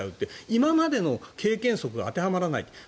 今までの経験則が当てはまらない。